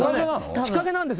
日陰なんですよ